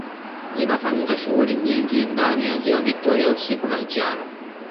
Zinafanyika shughuli nyingi ndani ya ziwa Viktoria usiku na mchana